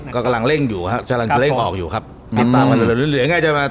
ก็กำลังเล่นออกอยู่ครับติดตามมาเร็วเร็วง่ายจะมา